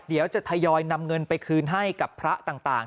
เดี๋ยวจะทยอยนำเงินไปคืนให้กับพระต่าง